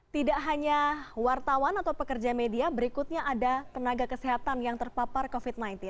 tidak hanya wartawan atau pekerja media berikutnya ada tenaga kesehatan yang terpapar covid sembilan belas